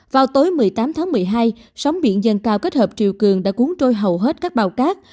vào tối một mươi tám tháng một mươi hai sóng biển dâng cao kết hợp triều cường đã cuốn trôi hầu hết các bào cát